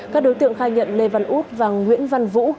các đối tượng khai nhận lê văn út và nguyễn văn vũ